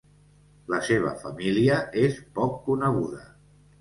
La seva família és poc coneguda.